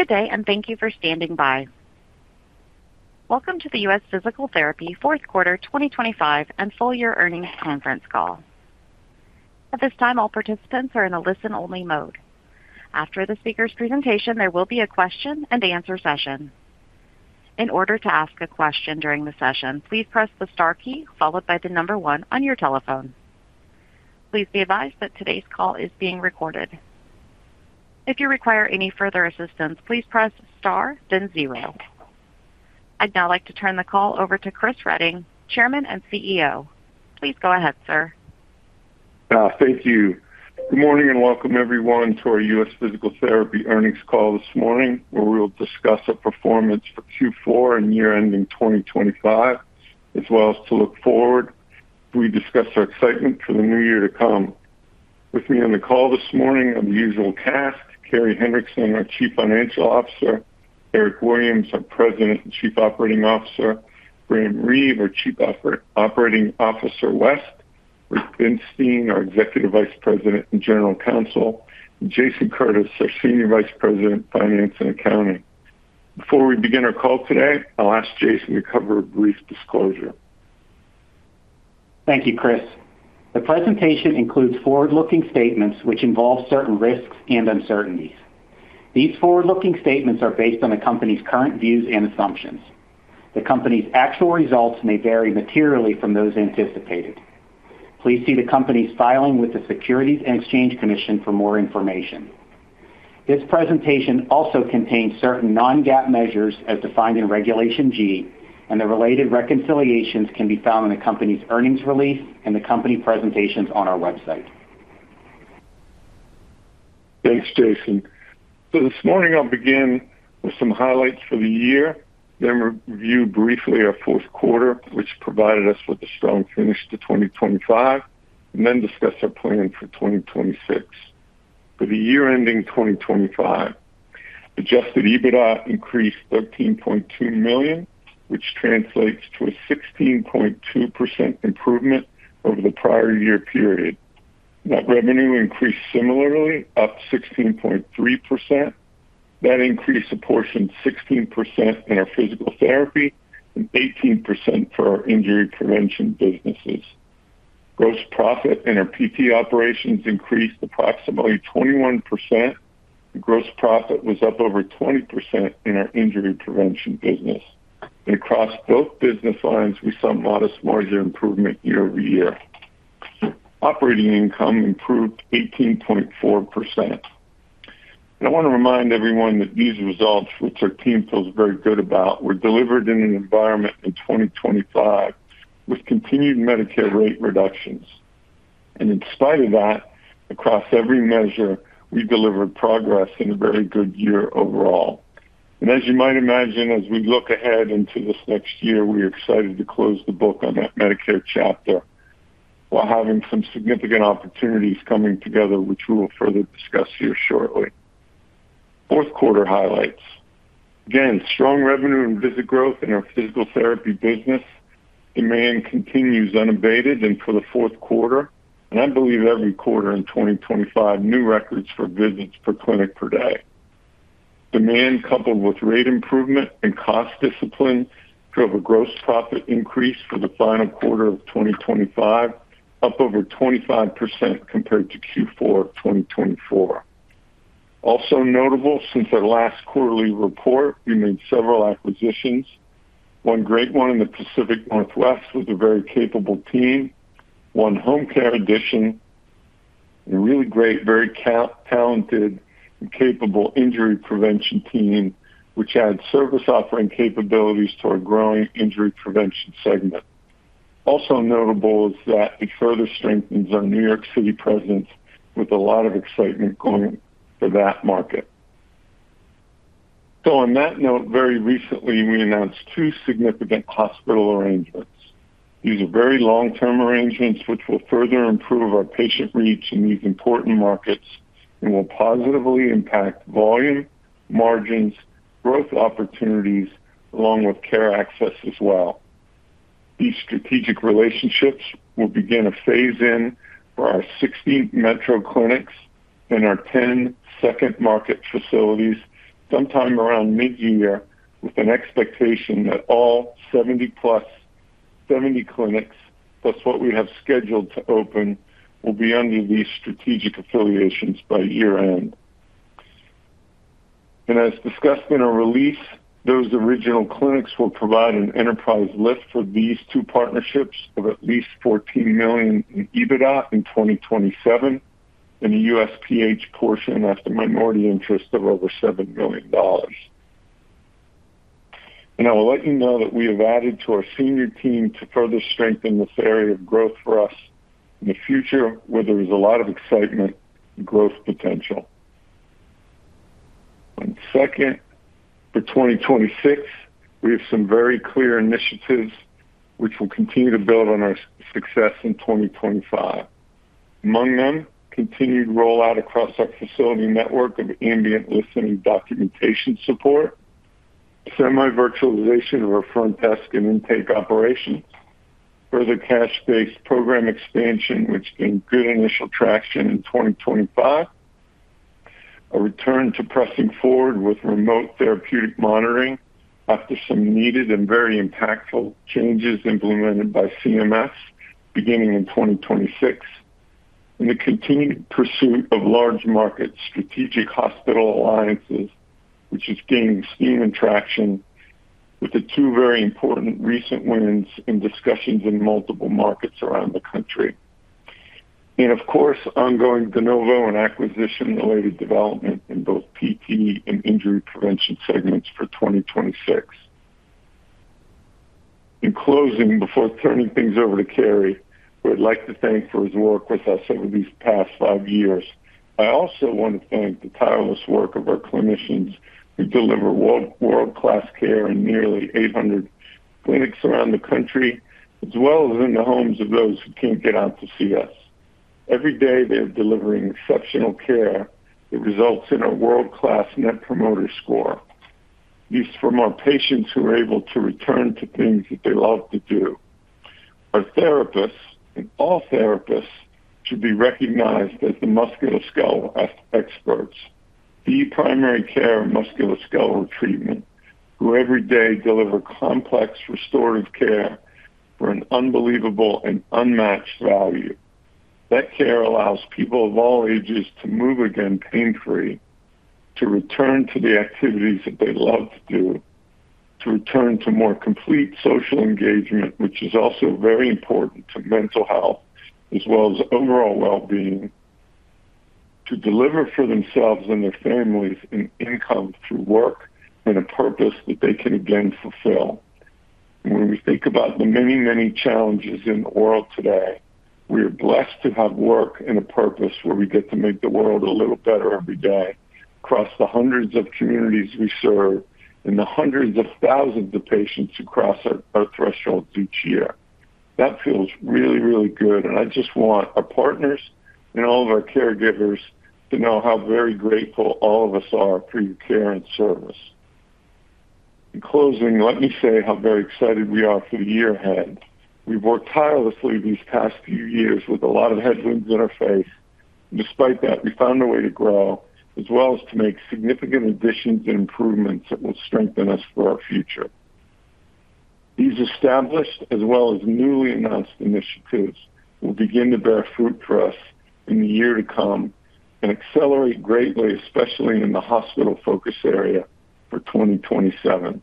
Good day. Thank you for standing by. Welcome to the U.S. Physical Therapy fourth quarter 2025 and full year earnings conference call. At this time, all participants are in a listen-only mode. After the speaker's presentation, there will be a question and answer session. In order to ask a question during the session, please press the star key followed by one on your telephone. Please be advised that today's call is being recorded. If you require any further assistance, please press star then zero. I'd now like to turn the call over to Chris Reading, Chairman and CEO. Please go ahead, sir. Thank you. Good morning, and welcome everyone to our U.S. Physical Therapy earnings call this morning, where we'll discuss our performance for Q4 and year ending 2025, as well as to look forward as we discuss our excitement for the new year to come. With me on the call this morning are the usual cast, Carey Hendrickson, our Chief Financial Officer, Eric Williams, our President and Chief Operating Officer, Graham Reeve, our Chief Operating Officer, West, Rick Binstein, our Executive Vice President and General Counsel, and Jason Curtis, our Senior Vice President, Finance and Accounting. Before we begin our call today, I'll ask Jason to cover a brief disclosure. Thank you, Chris. The presentation includes forward-looking statements which involve certain risks and uncertainties. These forward-looking statements are based on the company's current views and assumptions. The company's actual results may vary materially from those anticipated. Please see the company's filing with the Securities and Exchange Commission for more information. This presentation also contains certain non-GAAP measures as defined in Regulation G, and the related reconciliations can be found in the company's earnings release and the company presentations on our website. Thanks, Jason. This morning, I'll begin with some highlights for the year, then review briefly our fourth quarter, which provided us with a strong finish to 2025, and then discuss our planning for 2026. For the year ending 2025, adjusted EBITDA increased $13.2 million, which translates to a 16.2% improvement over the prior year period. Net revenue increased similarly, up 16.3%. That increase apportioned 16% in our physical therapy and 18% for our injury prevention businesses. Gross profit in our PT operations increased approximately 21%. The gross profit was up over 20% in our injury prevention business. Across both business lines, we saw modest margin improvement year-over-year. Operating income improved 18.4%. I wanna remind everyone that these results, which our team feels very good about, were delivered in an environment in 2025 with continued Medicare rate reductions. In spite of that, across every measure, we delivered progress and a very good year overall. As you might imagine, as we look ahead into this next year, we are excited to close the book on that Medicare chapter, while having some significant opportunities coming together, which we will further discuss here shortly. Fourth quarter highlights. Again, strong revenue and visit growth in our Physical Therapy business. Demand continues unabated, and for the fourth quarter, and I believe every quarter in 2025, new records for visits per clinic per day. Demand, coupled with rate improvement and cost discipline, drove a gross profit increase for the final quarter of 2025, up over 25% compared to Q4 of 2024. Also notable, since our last quarterly report, we made several acquisitions. One great one in the Pacific Northwest with a very capable team, one home care addition, and a really great, very talented and capable injury prevention team, which adds service offering capabilities to our growing Injury Prevention segment. Also notable is that it further strengthens our New York City presence with a lot of excitement going for that market. On that note, very recently, we announced two significant hospital arrangements. These are very long-term arrangements, which will further improve our patient reach in these important markets and will positively impact volume, margins, growth opportunities, along with care access as well. These strategic relationships will begin to phase in for our 60 Metro clinics and our 10 second-market facilities sometime around mid-year, with an expectation that all 70 clinics, plus what we have scheduled to open, will be under these strategic affiliations by year-end. As discussed in our release, those original clinics will provide an enterprise lift for these two partnerships of at least $14 million in EBITDA in 2027, and a USPH portion after minority interest of over $7 million. I will let you know that we have added to our senior team to further strengthen this area of growth for us in the future, where there is a lot of excitement and growth potential. Second, for 2026, we have some very clear initiatives which will continue to build on our success in 2025. Among them, continued rollout across our facility network of ambient listening documentation support. Semi-virtualization of our front desk and intake operations, further cash-based program expansion, which gained good initial traction in 2025. A return to pressing forward with remote therapeutic monitoring after some needed and very impactful changes implemented by CMS beginning in 2026, and the continued pursuit of large market strategic hospital alliances, which is gaining steam and traction with the two very important recent wins in discussions in multiple markets around the country. Of course, ongoing de novo and acquisition-related development in both PT and Injury Prevention segments for 2026. In closing, before turning things over to Carey, who I'd like to thank for his work with us over these past five years, I also want to thank the tireless work of our clinicians who deliver world-class care in nearly 800 clinics around the country, as well as in the homes of those who can't get out to see us. Every day, they're delivering exceptional care that results in a world-class Net Promoter Score. These from our patients who are able to return to things that they love to do. Our therapists and all therapists should be recognized as the musculoskeletal experts, the primary care musculoskeletal treatment, who every day deliver complex restorative care for an unbelievable and unmatched value. That care allows people of all ages to move again, pain-free, to return to the activities that they love to do, to return to more complete social engagement, which is also very important to mental health as well as overall well-being, to deliver for themselves and their families in income through work and a purpose that they can again fulfill. When we think about the many, many challenges in the world today, we are blessed to have work and a purpose where we get to make the world a little better every day across the hundreds of communities we serve and the hundreds of thousands of patients who cross our thresholds each year. That feels really, really good, and I just want our partners and all of our caregivers to know how very grateful all of us are for your care and service. In closing, let me say how very excited we are for the year ahead. We've worked tirelessly these past few years with a lot of headwinds in our face. Despite that, we found a way to grow, as well as to make significant additions and improvements that will strengthen us for our future. These established as well as newly announced initiatives will begin to bear fruit for us in the year to come and accelerate greatly, especially in the hospital focus area for 2027.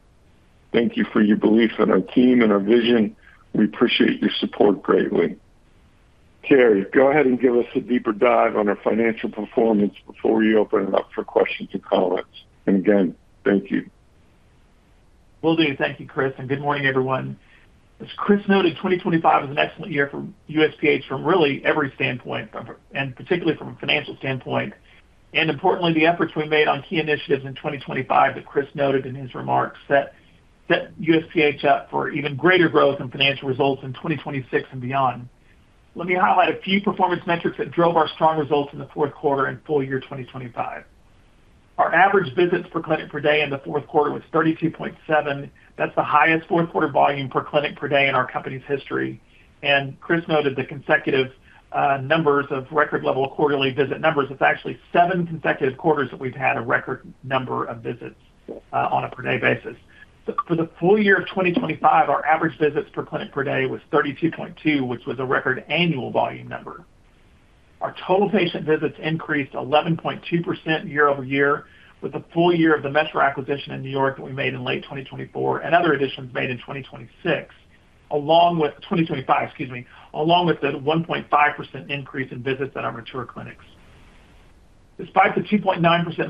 Thank you for your belief in our team and our vision. We appreciate your support greatly. Carey, go ahead and give us a deeper dive on our financial performance before we open it up for questions and comments. Again, thank you. Will do. Thank you, Chris. Good morning, everyone. As Chris noted, 2025 was an excellent year for USPH from really every standpoint, particularly from a financial standpoint. Importantly, the efforts we made on key initiatives in 2025, that Chris noted in his remarks, set USPH up for even greater growth and financial results in 2026 and beyond. Let me highlight a few performance metrics that drove our strong results in the fourth quarter and full year 2025. Our average visits per clinic per day in the fourth quarter was 32.7. That's the highest fourth quarter volume per clinic per day in our company's history. Chris noted the consecutive numbers of record level of quarterly visit numbers. It's actually seven consecutive quarters that we've had a record number of visits on a per day basis. For the full year of 2025, our average visits per clinic per day was 32.2, which was a record annual volume number. Our total patient visits increased 11.2% year-over-year, with a full year of the Metro acquisition in New York that we made in late 2024 and other additions made in 2025, excuse me, along with the 1.5% increase in visits at our mature clinics. Despite the 2.9%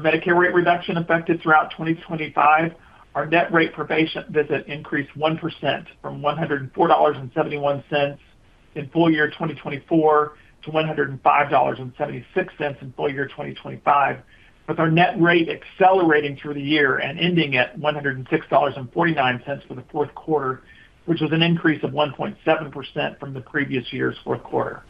Medicare rate reduction affected throughout 2025, our net rate per patient visit increased 1% from $104.71 in full year 2024 to $105.76 in full year 2025, with our net rate accelerating through the year and ending at $106.49 for the fourth quarter, which was an increase of 1.7% from the previous year's fourth quarter.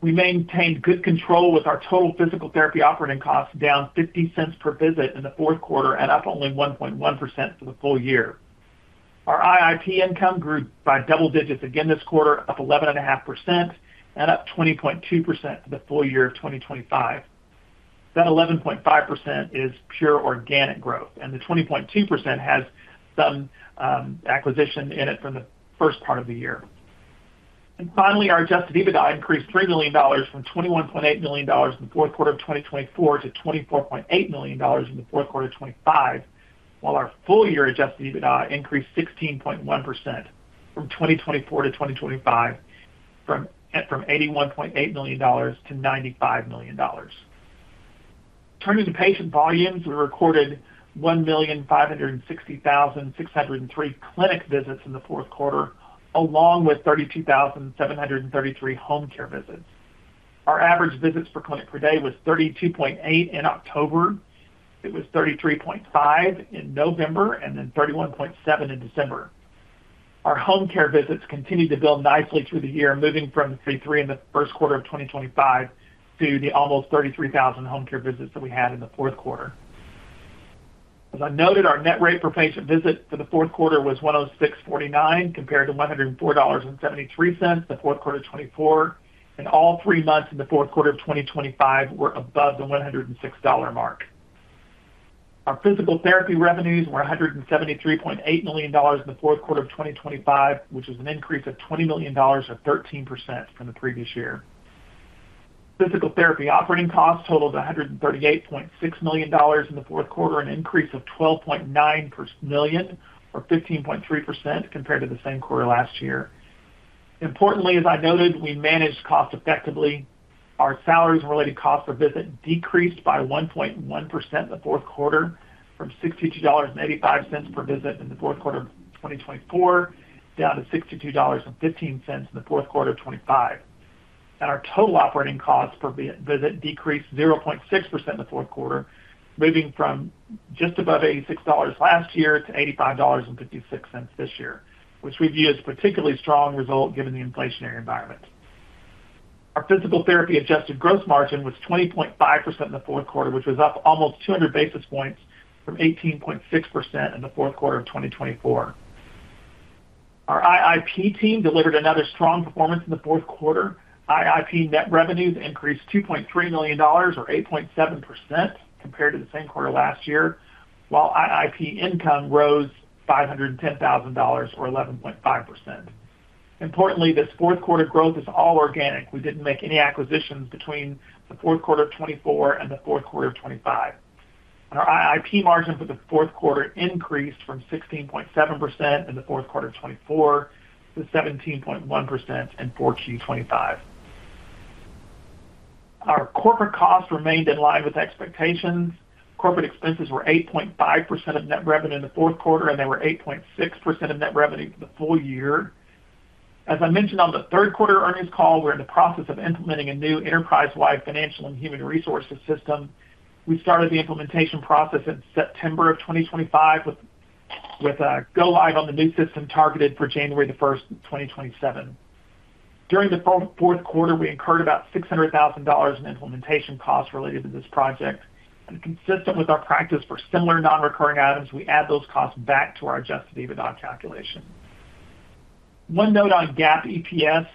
We maintained good control with our total Physical Therapy operating costs down $0.50 per visit in the fourth quarter and up only 1.1% for the full year. Our IIP income grew by double digits again this quarter, up 11.5% and up 20.2% for the full year of 2025. That 11.5% is pure organic growth, the 20.2% has some acquisition in it from the first part of the year. Finally, our adjusted EBITDA increased $3 million from $21.8 million in the fourth quarter of 2024 to $24.8 million in the fourth quarter of 2025, while our full-year adjusted EBITDA increased 16.1% from 2024 to 2025, from $81.8 million to $95 million. Turning to patient volumes, we recorded 1,560,603 clinic visits in the fourth quarter, along with 32,733 home care visits. Our average visits per clinic per day was 32.8 in October. It was 33.5 in November and then 31.7 in December. Our home care visits continued to build nicely through the year, moving from 33 in the first quarter of 2025 to the almost 33,000 home care visits that we had in the fourth quarter. As I noted, our net rate per patient visit for the fourth quarter was $106.49, compared to $104.73 in the fourth quarter of 2024, and all three months in the fourth quarter of 2025 were above the $106 mark. Our Physical Therapy revenues were $173.8 million in the fourth quarter of 2025, which is an increase of $20 million, or 13% from the previous year. Physical Therapy operating costs totaled $138.6 million in the fourth quarter, an increase of 12.9 per million, or 15.3% compared to the same quarter last year. Importantly, as I noted, we managed costs effectively. Our salaries and related costs per visit decreased by 1.1% in the fourth quarter from $62.85 per visit in the fourth quarter of 2024, down to $62.15 in the fourth quarter of 2025. Our total operating costs per visit decreased 0.6% in the fourth quarter, moving from just above $86 last year to $85.56 this year, which we view as a particularly strong result given the inflationary environment. Our Physical Therapy adjusted gross margin was 20.5% in the fourth quarter, which was up almost 200 basis points from 18.6% in the fourth quarter of 2024. Our IIP team delivered another strong performance in the fourth quarter. IIP net revenues increased $2.3 million, or 8.7% compared to the same quarter last year, while IIP income rose $510,000 or 11.5%. Importantly, this fourth quarter growth is all organic. We didn't make any acquisitions between the fourth quarter of 2024 and the fourth quarter of 2025. Our IIP margin for the fourth quarter increased from 16.7% in the fourth quarter of 2024 to 17.1% in four Q, 2025. Our corporate costs remained in line with expectations. Corporate expenses were 8.5% of net revenue in the fourth quarter. They were 8.6% of net revenue for the full year. As I mentioned on the third quarter earnings call, we're in the process of implementing a new enterprise-wide financial and human resources system. We started the implementation process in September of 2025, with a go live on the new system targeted for January 1st, 2027. During the fourth quarter, we incurred about $600,000 in implementation costs related to this project. Consistent with our practice for similar non-recurring items, we add those costs back to our adjusted EBITDA calculation. One note on GAAP EPS.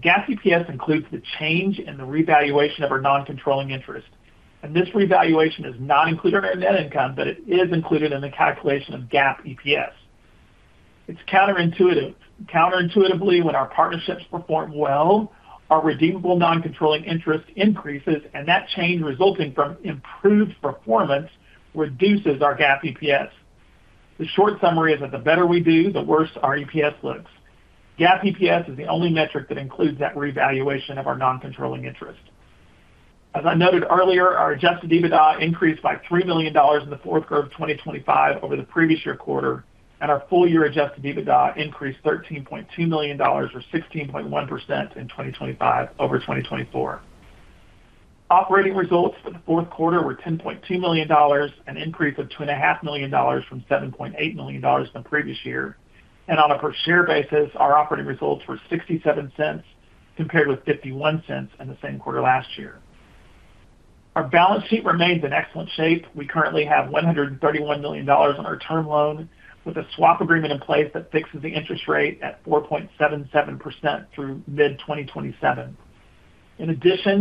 GAAP EPS includes the change in the revaluation of our non-controlling interest, and this revaluation is not included in our net income, but it is included in the calculation of GAAP EPS. It's counterintuitive. Counterintuitively, when our partnerships perform well, our redeemable non-controlling interest increases, and that change, resulting from improved performance, reduces our GAAP EPS. The short summary is that the better we do, the worse our EPS looks. GAAP EPS is the only metric that includes that revaluation of our non-controlling interest. As I noted earlier, our adjusted EBITDA increased by $3 million in the fourth quarter of 2025 over the previous year quarter, and our full year adjusted EBITDA increased $13.2 million, or 16.1% in 2025 over 2024. Operating results for the fourth quarter were $10.2 million, an increase of $2.5 million from $7.8 million in the previous year. On a per share basis, our operating results were $0.67, compared with $0.51 in the same quarter last year. Our balance sheet remains in excellent shape. We currently have $131 million on our term loan, with a swap agreement in place that fixes the interest rate at 4.77% through mid-2027.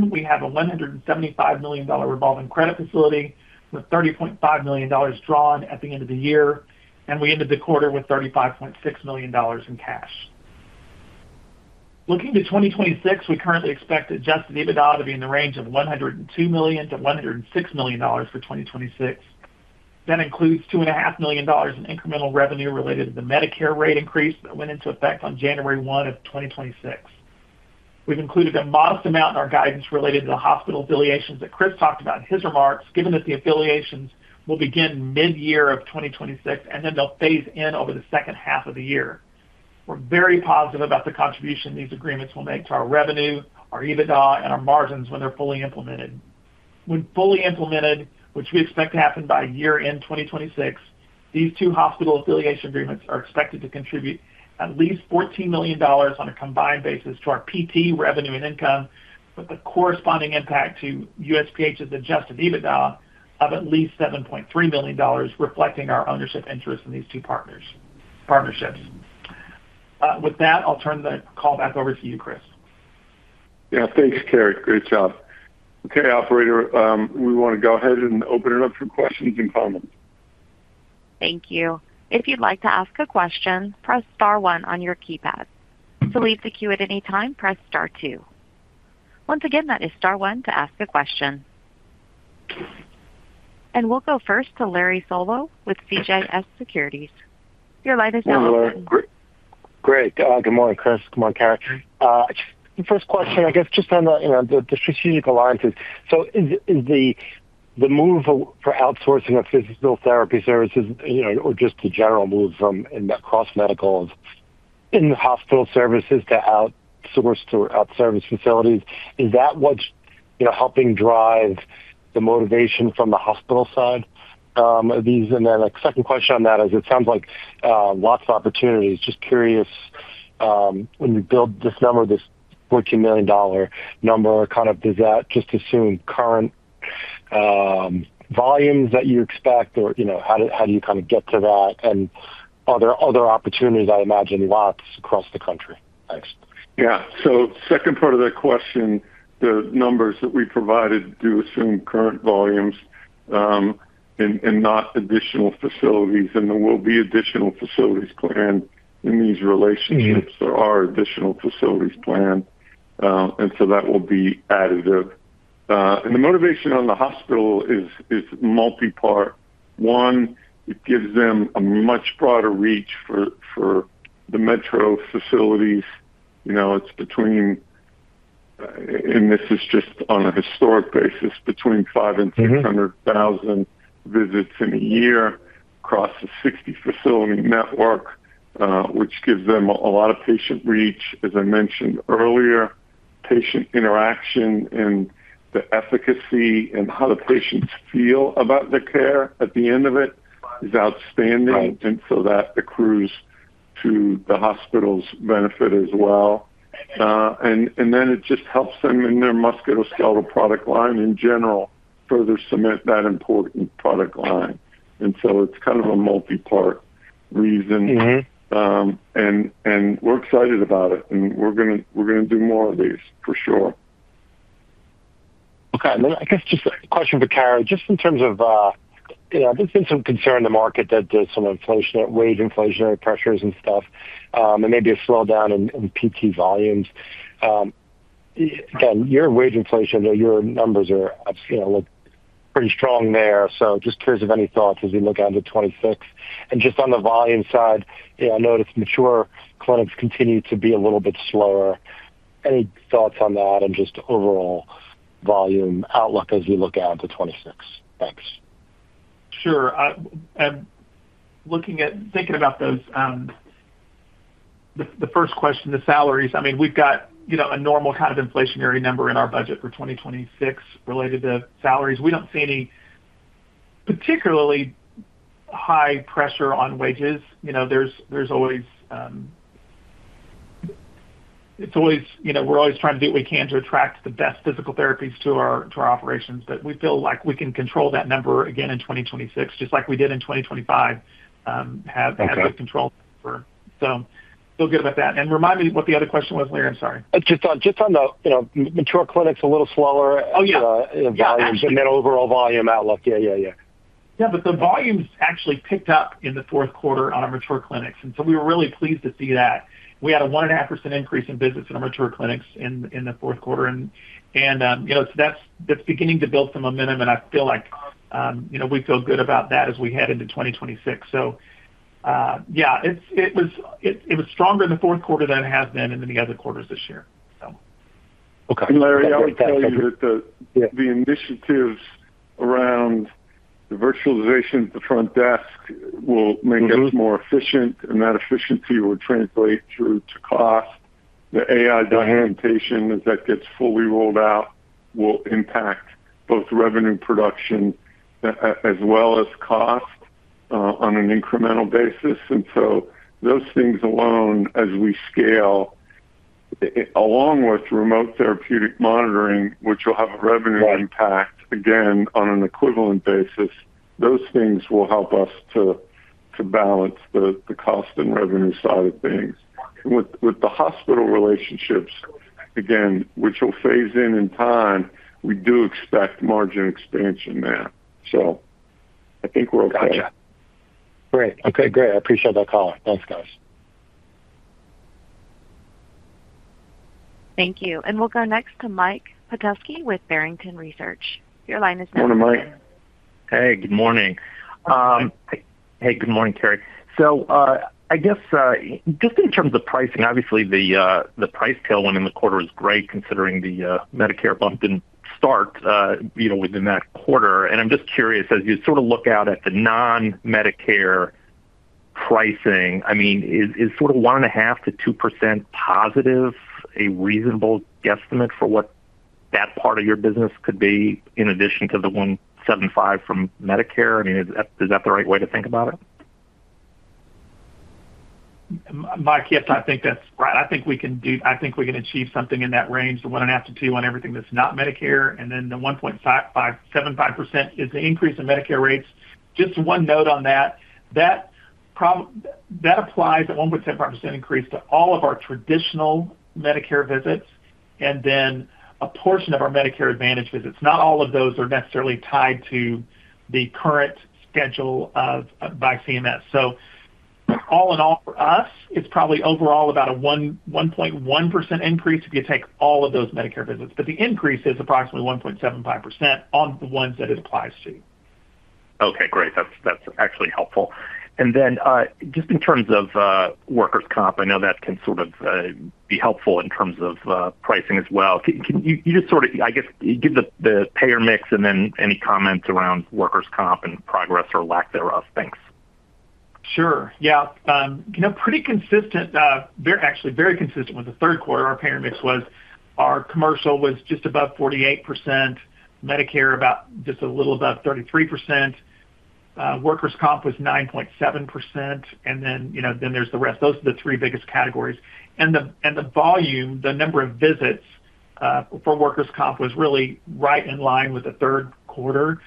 We have a $175 million revolving credit facility, with $30.5 million drawn at the end of the year, and we ended the quarter with $35.6 million in cash. Looking to 2026, we currently expect adjusted EBITDA to be in the range of $102 million-$106 million for 2026. That includes $2.5 million in incremental revenue related to the Medicare rate increase that went into effect on January 1, 2026. We've included a modest amount in our guidance related to the hospital affiliations that Chris talked about in his remarks, given that the affiliations will begin mid-year of 2026, and then they'll phase in over the second half of the year. We're very positive about the contribution these agreements will make to our revenue, our EBITDA, and our margins when they're fully implemented. When fully implemented, which we expect to happen by year-end 2026, these two hospital affiliation agreements are expected to contribute at least $14 million on a combined basis to our PT revenue and income, with a corresponding impact to USPH's adjusted EBITDA of at least $7.3 million, reflecting our ownership interest in these two partnerships. With that, I'll turn the call back over to you, Chris. Yeah, thanks, Carey. Great job. Okay, operator, we want to go ahead and open it up for questions and comments. Thank you. If you'd like to ask a question, press star one on your keypad. To leave the queue at any time, press star two. Once again, that is star one to ask a question. We'll go first to Larry Solow with CJS Securities. Your line is now open. Great. Good morning, Chris. Good morning, Carey. The first question, I guess, just on the, you know, the strategic alliances. Is, is the move for outsourcing of physical therapy services, you know, or just the general move from in that cross medical in-hospital services to outsource to out service facilities, is that what's, you know, helping drive the motivation from the hospital side, of these? Then, like, second question on that is, it sounds like, lots of opportunities. Just curious, when you build this number, this $14 million number, kind of does that just assume current, volumes that you expect, or, you know, how do you kind of get to that? Are there other opportunities? I imagine lots across the country. Thanks. Yeah. Second part of that question, the numbers that we provided do assume current volumes, and not additional facilities, and there will be additional facilities planned in these relationships. There are additional facilities planned, that will be additive. The motivation on the hospital is multi-part. One, it gives them a much broader reach for the Metro facilities. You know, it's between, and this is just on a historic basis, between five and 600,000 visits in a year across a 60-facility network, which gives them a lot of patient reach. As I mentioned earlier, patient interaction and the efficacy and how the patients feel about the care at the end of it is outstanding. Right. That accrues to the hospital's benefit as well. Then it just helps them in their musculoskeletal product line in general, further cement that important product line. It's kind of a multi-part reason. We're excited about it, and we're gonna do more of these for sure. I guess just a question for Carey. Just in terms of, you know, there's been some concern in the market that there's some wage inflationary pressures and stuff, and maybe a slowdown in PT volumes. Again, your wage inflation, though, your numbers are, you know, look pretty strong there. Just curious of any thoughts as we look out to 2026. Just on the volume side, you know, I noticed mature clinics continue to be a little bit slower. Any thoughts on that and just overall volume outlook as we look out to 2026? Thanks. Sure. Looking at, thinking about those, the first question, the salaries, I mean, we've got, you know, a normal kind of inflationary number in our budget for 2026 related to salaries. We don't see any particularly high pressure on wages. You know, there's always, it's always, you know, we're always trying to do what we can to attract the best physical therapies to our operations. We feel like we can control that number again in 2026, just like we did in 2025...had good control over. Feel good about that. Remind me what the other question was, Larry? I'm sorry. Just on the, you know, mature clinics a little slower. Oh, yeah. Volumes and then overall volume outlook. Yeah, yeah. Yeah, the volumes actually picked up in the fourth quarter on our mature clinics. We were really pleased to see that. We had a 1.5% increase in visits in our mature clinics in the fourth quarter. You know, that's beginning to build some momentum, and I feel like, you know, we feel good about that as we head into 2026. Yeah, it was stronger in the fourth quarter than it has been in any other quarters this year, so. Okay. Larry, I would tell you that the initiatives around the virtualization at the front desk will make us more efficient, and that efficiency will translate through to cost. The AI documentation, as that gets fully rolled out, will impact both revenue production as well as cost, on an incremental basis. Those things alone, as we scale, along with remote therapeutic monitoring, which will have a revenue impact again, on an equivalent basis, those things will help us to balance the cost and revenue side of things. With the hospital relationships, again, which will phase in in time, we do expect margin expansion there. I think we're okay. Gotcha. Great. Okay, great. I appreciate that call. Thanks, guys. Thank you. We'll go next to Mike Petusky with Barrington Research. Your line is now open. Morning, Mike. Good morning. Good morning, Carey. I guess, just in terms of pricing, obviously the price tailwind in the quarter is great, considering the Medicare bump didn't start, you know, within that quarter. I'm just curious, as you sort of look out at the non-Medicare pricing, I mean, is sort of 1.5%-2% positive a reasonable guesstimate for what that part of your business could be, in addition to the 1.75% from Medicare? I mean, is that the right way to think about it? Mike, yes, I think that's right. I think we can achieve something in that range, the 1.5%-2% on everything that's not Medicare, and then the 1.75% is the increase in Medicare rates. Just one note on that applies, the 1.75% increase, to all of our traditional Medicare visits and then a portion of our Medicare Advantage visits. Not all of those are necessarily tied to the current schedule of by CMS. All in all, for us, it's probably overall about a 1.1% increase if you take all of those Medicare visits. The increase is approximately 1.75% on the ones that it applies to. Okay, great. That's actually helpful. Just in terms of workers' comp, I know that can sort of be helpful in terms of pricing as well. Can you just sort of, I guess, give the payer mix and then any comments around workers' comp and progress or lack thereof? Thanks. Sure. Yeah, you know, pretty consistent, actually very consistent with the third quarter. Our payer mix was, our commercial was just above 48%, Medicare about just a little above 33%, workers' comp was 9.7%, and then, you know, then there's the rest. Those are the three biggest categories. The, and the volume, the number of visits, for workers' comp was really right in line with the third quarter.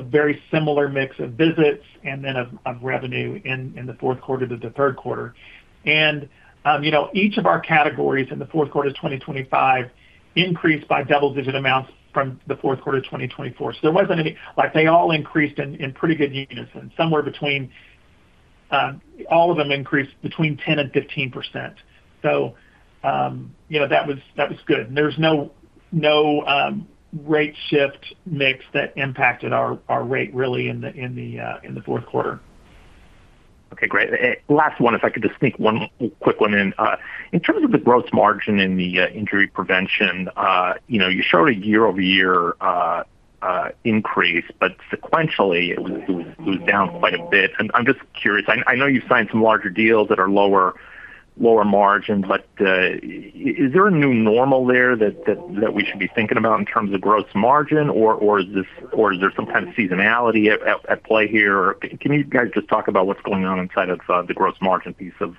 Very similar mix of visits and then of revenue in the fourth quarter to the third quarter. You know, each of our categories in the fourth quarter of 2025 increased by double-digit amounts from the fourth quarter of 2024. Like, they all increased in pretty good unison, somewhere between, all of them increased between 10% and 15%. You know, that was good. There's no rate shift mix that impacted our rate really in the fourth quarter. Okay, great. Last one, if I could just sneak one quick one in. In terms of the gross margin in the injury prevention, you know, you showed a year-over-year increase, but sequentially it was down quite a bit. I'm just curious. I know you've signed some larger deals that are lower margin, but is there a new normal there that we should be thinking about in terms of gross margin? Is this, or is there some kind of seasonality at play here? Can you guys just talk about what's going on inside of the gross margin piece of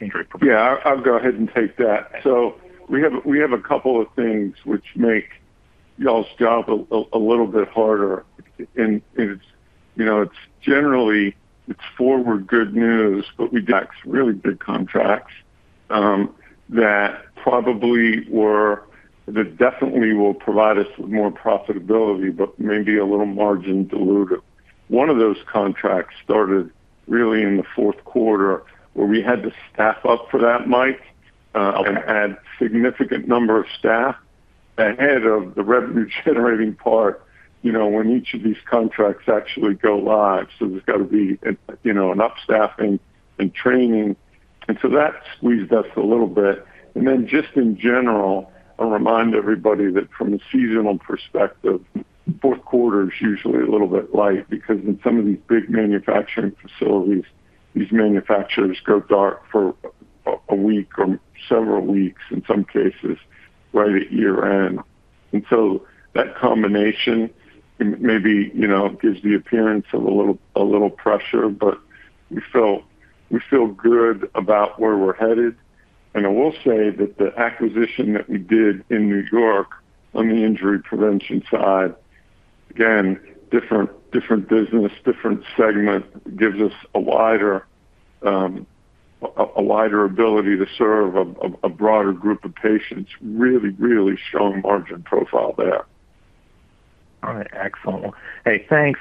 injury prevention? I'll go ahead and take that. We have a couple of things which make y'all's job a little bit harder. it's, you know, it's generally it's forward good news, but we got some really big contracts that definitely will provide us with more profitability, but maybe a little margin dilutive. One of those contracts started really in the fourth quarter, where we had to staff up for that, Mike. Okay. Add significant number of staff ahead of the revenue generating part, you know, when each of these contracts actually go live. There's got to be, you know, enough staffing and training. That squeezed us a little bit. Just in general, I'll remind everybody that from a seasonal perspective, fourth quarter is usually a little bit light because in some of these big manufacturing facilities, these manufacturers go dark for a week or several weeks in some cases, right at year-end. That combination maybe, you know, gives the appearance of a little pressure, but we feel good about where we're headed. I will say that the acquisition that we did in New York on the injury prevention side, again, different business, different segment, gives us a wider ability to serve a broader group of patients. Really, really strong margin profile there. All right. Excellent. Hey, thanks.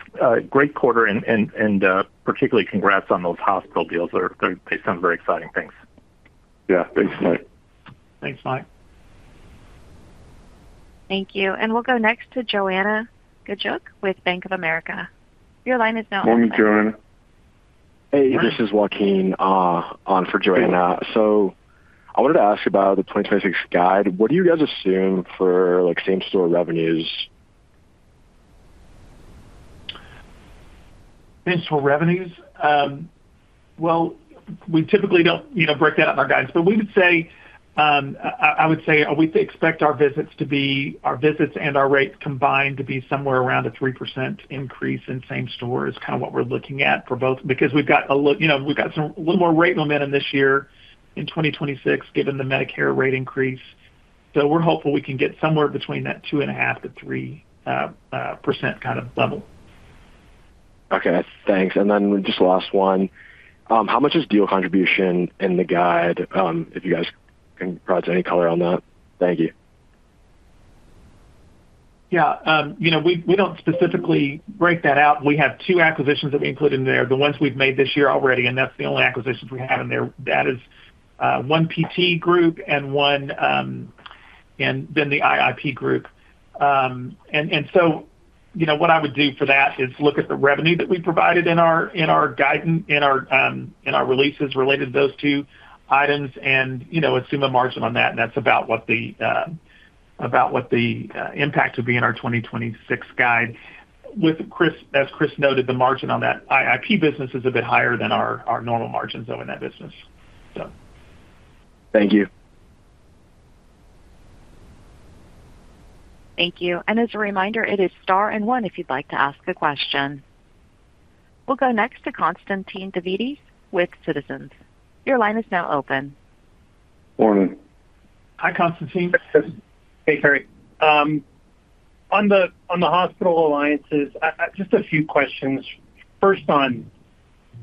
Great quarter and particularly congrats on those hospital deals. They sound very exciting. Thanks. Yeah, thanks, Mike. Thanks, Mike. Thank you. We'll go next to Joanna Gajuk with Bank of America. Your line is now open. Morning, Joanna. Hey, this is Joaquin, on for Joanna. I wanted to ask about the 2026 guide. What do you guys assume for, like, same-store revenues? Same-store revenues? Well, we typically don't, you know, break that out in our guides, we would say, I would say we expect our visits and our rates combined to be somewhere around a 3% increase in same store is kind of what we're looking at for both. Because we've got a little, you know, we've got some, a little more rate momentum this year in 2026, given the Medicare rate increase. We're hopeful we can get somewhere between that 2.5% to 3% kind of level. Okay, thanks. Just last one. How much is deal contribution in the guide? If you guys can provide any color on that. Thank you. Yeah, you know, we don't specifically break that out. We have two acquisitions that we include in there, the ones we've made this year already, and that's the only acquisitions we have in there. That is, one PT group and one, and then the IIP group. You know, what I would do for that is look at the revenue that we provided in our, in our guidance, in our releases related to those two items and, you know, assume a margin on that. That's about what the, about what the, impact would be in our 2026 guide. As Chris noted, the margin on that IIP business is a bit higher than our normal margins, though, in that business. So. Thank you. Thank you. As a reminder, it is star and one, if you'd like to ask a question. We'll go next to Constantine Davides with Citizens. Your line is now open. Morning. Hi, Constantine. Hey, Carey. On the hospital alliances, just a few questions. First, on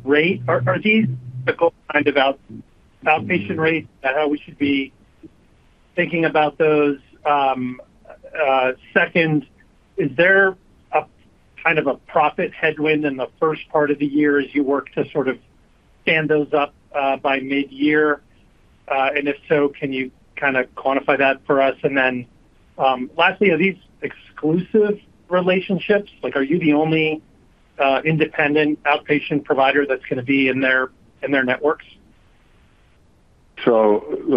rate, are these the kind of outpatient rates and how we should be thinking about those? Second, is there a kind of a profit headwind in the first part of the year as you work to sort of stand those up by mid-year? If so, can you kind of quantify that for us? Lastly, are these exclusive relationships? Like, are you the only independent outpatient provider that's going to be in their networks? Let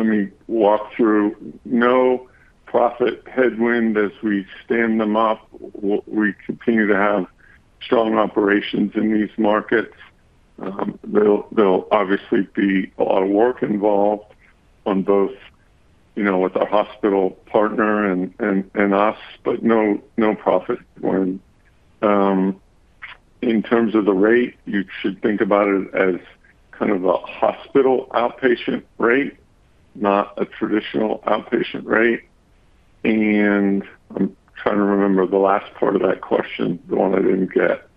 me walk through. No profit headwind as we stand them up. We continue to have strong operations in these markets. There'll obviously be a lot of work involved on both, you know, with our hospital partner and us, but no profit when, in terms of the rate, you should think about it as kind of a hospital outpatient rate, not a traditional outpatient rate. I'm trying to remember the last part of that question, the one I didn't get.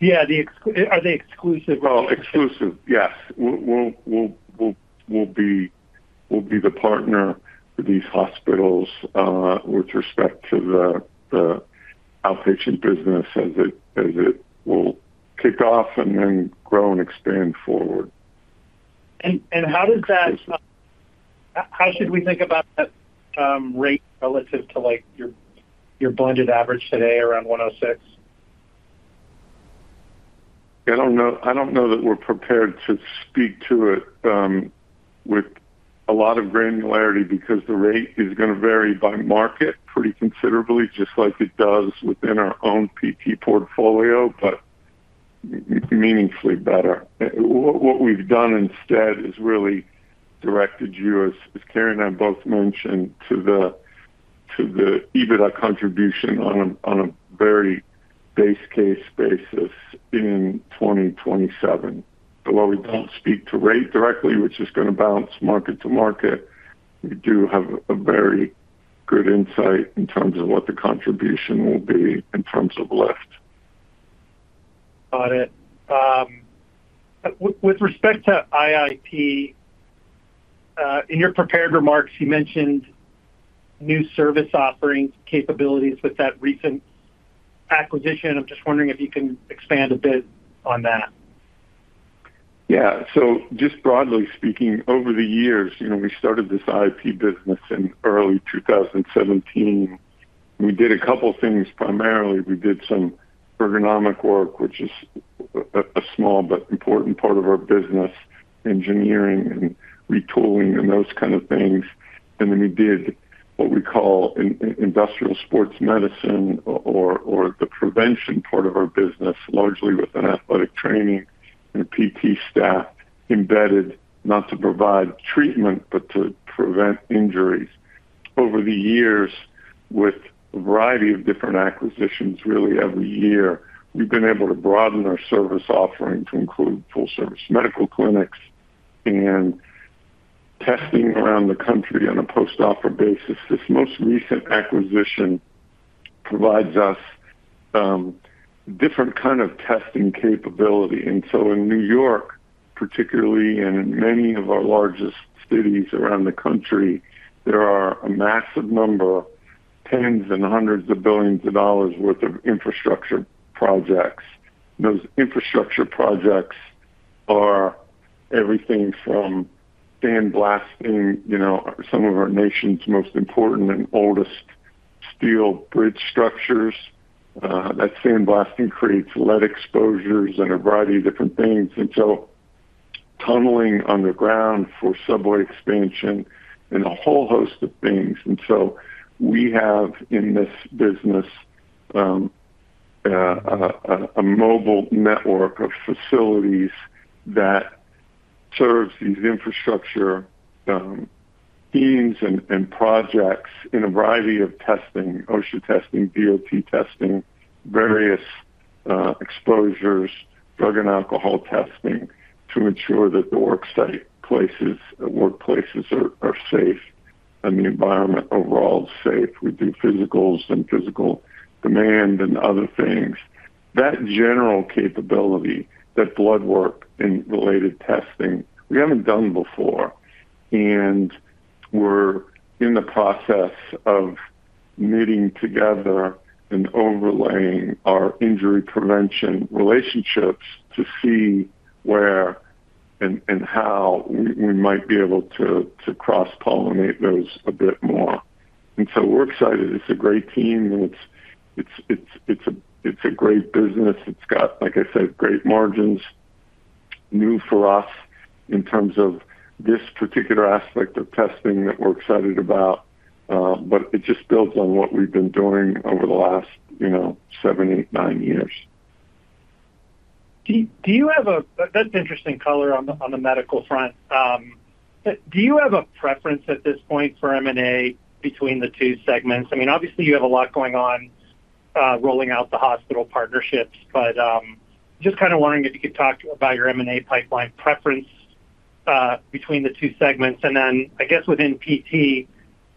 Yeah, Are they exclusive? Well, exclusive, yes. We'll be the partner for these hospitals, with respect to the outpatient business as it will kick off and then grow and expand forward. How should we think about that rate relative to, like, your blended average today around $106? I don't know, I don't know that we're prepared to speak to it, with a lot of granularity because the rate is gonna vary by market pretty considerably, just like it does within our own PT portfolio, but meaningfully better. What we've done instead is really directed you, as Carey Hendrickson and I both mentioned, to the EBITDA contribution on a very base case basis in 2027. While we don't speak to rate directly, which is gonna bounce market to market, we do have a very good insight in terms of what the contribution will be in terms of lift. Got it. With respect to IIP, in your prepared remarks, you mentioned new service offerings, capabilities with that recent acquisition. I'm just wondering if you can expand a bit on that. Yeah. Just broadly speaking, over the years, you know, we started this IIP business in early 2017. We did a couple things. Primarily, we did some ergonomic work, which is a small but important part of our business, engineering and retooling, and those kind of things. We did what we call industrial sports medicine or the prevention part of our business, largely with an athletic training and PT staff embedded, not to provide treatment, but to prevent injuries. Over the years, with a variety of different acquisitions, really every year, we've been able to broaden our service offering to include full-service medical clinics and testing around the country on a post-operative basis. This most recent acquisition provides us different kind of testing capability. In New York, particularly, and in many of our largest cities around the country, there are a massive number, tens and hundreds of billions of dollars worth of infrastructure projects. Those infrastructure projects are everything from sandblasting, you know, some of our nation's most important and oldest steel bridge structures. That sandblasting creates lead exposures and a variety of different things, tunneling underground for subway expansion and a whole host of things. We have, in this business, a mobile network of facilities that serves these infrastructure needs and projects in a variety of testing, OSHA testing, DOT testing, various exposures, drug and alcohol testing, to ensure that the workplaces are safe and the environment overall is safe. We do physicals and physical demand and other things. That general capability, that blood work and related testing, we haven't done before. We're in the process of knitting together and overlaying our injury prevention relationships to see where and how we might be able to cross-pollinate those a bit more. We're excited. It's a great team, and it's a great business. It's got, like I said, great margins, new for us in terms of this particular aspect of testing that we're excited about, but it just builds on what we've been doing over the last, you know, seven, eight, nine years. Do you have a... That's interesting color on the, on the medical front. Do you have a preference at this point for M&A between the two segments? I mean, obviously you have a lot going on, rolling out the hospital partnerships, but, just kind of wondering if you could talk about your M&A pipeline preference between the two segments. I guess within PT,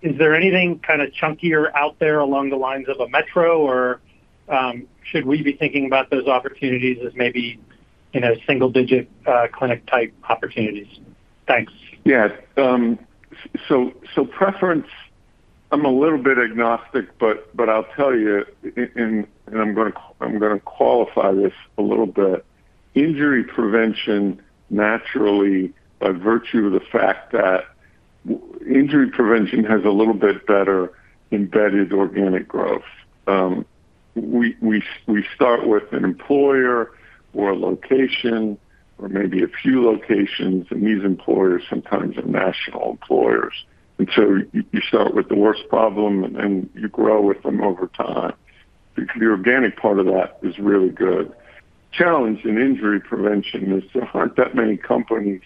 is there anything kind of chunkier out there along the lines of a Metro, or should we be thinking about those opportunities as maybe, you know, single digit clinic-type opportunities? Thanks. Yeah. Preference, I'm a little bit agnostic, but I'll tell you and I'm gonna qualify this a little bit. Injury prevention, naturally, by virtue of the fact that. Injury prevention has a little bit better embedded organic growth. We start with an employer or a location or maybe a few locations. These employers sometimes are national employers. You start with the worst problem, and then you grow with them over time. The organic part of that is really good. Challenge in injury prevention is there aren't that many companies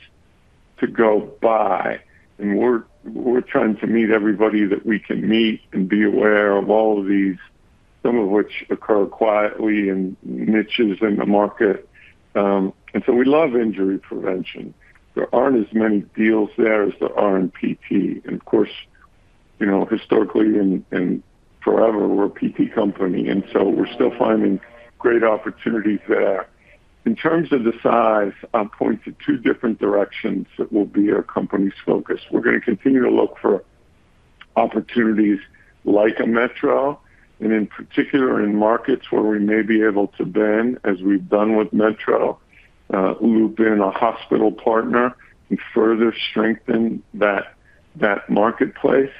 to go buy, and we're trying to meet everybody that we can meet and be aware of all of these, some of which occur quietly in niches in the market. We love injury prevention. There aren't as many deals there as there are in PT. Of course, you know, historically and forever, we're a PT company, so we're still finding great opportunities there. In terms of the size, I'll point to two different directions that will be our company's focus. We're going to continue to look for opportunities like a Metro, and in particular, in markets where we may be able to bend, as we've done with Metro, loop in a hospital partner and further strengthen that marketplace.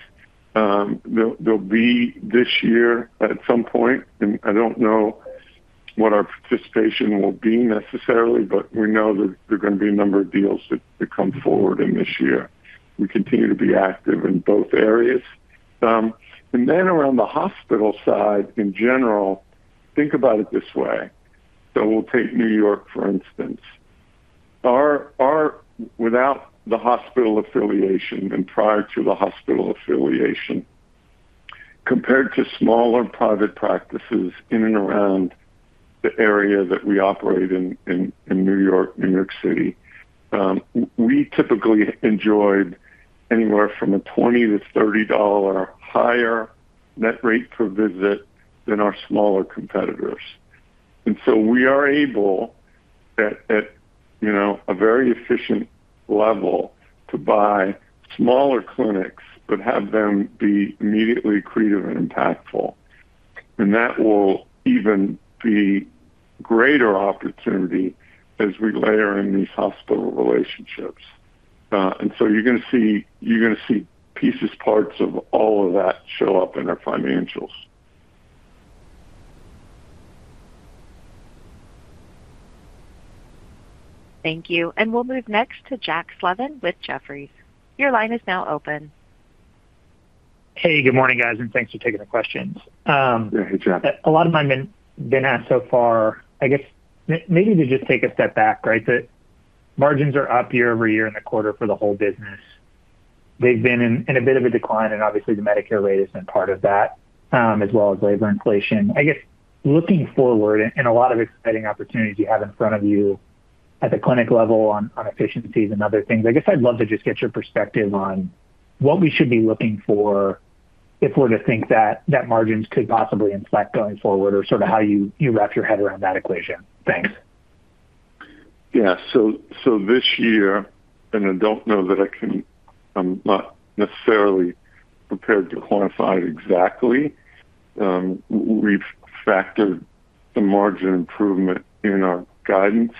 There'll be this year at some point, and I don't know what our participation will be necessarily, but we know that there are going to be a number of deals that come forward in this year. We continue to be active in both areas. Around the hospital side, in general, think about it this way. We'll take New York, for instance. Our, without the hospital affiliation and prior to the hospital affiliation, compared to smaller private practices in and around the area that we operate in New York, New York City, we typically enjoyed anywhere from a $20-$30 higher net rate per visit than our smaller competitors. We are able at, you know, a very efficient level to buy smaller clinics but have them be immediately accretive and impactful. That will even be greater opportunity as we layer in these hospital relationships. You're going to see, you're going to see pieces, parts of all of that show up in our financials. Thank you. We'll move next to Jack Slevin with Jefferies. Your line is now open. Hey, good morning, guys, and thanks for taking the questions. Yeah. Hey, Jack. A lot of mine been asked so far. I guess maybe to just take a step back, right? The margins are up year-over-year in the quarter for the whole business. They've been in a bit of a decline, obviously, the Medicare rate has been part of that, as well as labor inflation. I guess looking forward a lot of exciting opportunities you have in front of you at the clinic level on efficiencies and other things, I guess I'd love to just get your perspective on what we should be looking for if we're to think that net margins could possibly inflect going forward or sort of how you wrap your head around that equation. Thanks. This year, and I don't know that I can, I'm not necessarily prepared to quantify it exactly. We've factored the margin improvement in our guidance.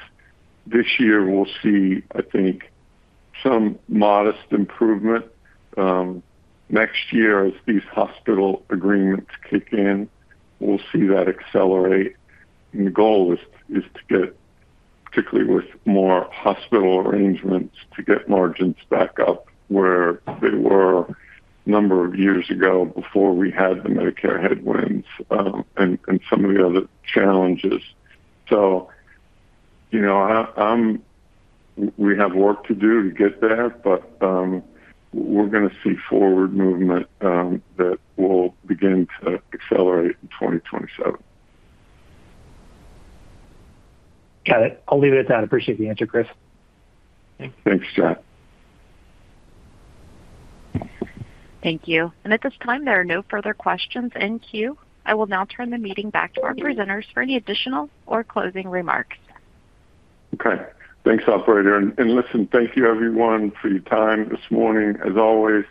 This year, we'll see, I think, some modest improvement. Next year, as these hospital agreements kick in, we'll see that accelerate. The goal is to get, particularly with more hospital arrangements, to get margins back up where they were number of years ago before we had the Medicare headwinds, and some of the other challenges. You know, I, we have work to do to get there, but we're going to see forward movement that will begin to accelerate in 2027. Got it. I'll leave it at that. I appreciate the answer, Chris. Thanks, Jack. Thank you. At this time, there are no further questions in queue. I will now turn the meeting back to our presenters for any additional or closing remarks. Thanks, operator. listen, thank you, everyone, for your time this morning. As always,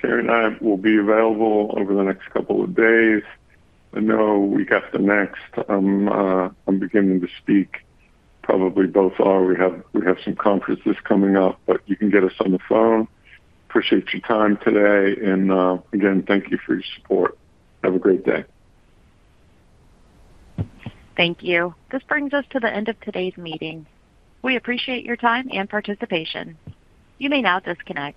Carey and I will be available over the next couple of days. I know we got the next, I'm beginning to speak, probably both are. We have some conferences coming up, but you can get us on the phone. Appreciate your time today, again, thank you for your support. Have a great day. Thank you. This brings us to the end of today's meeting. We appreciate your time and participation. You may now disconnect.